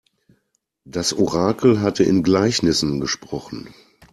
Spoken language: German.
Das Orakel hatte in Gleichnissen gesprochen.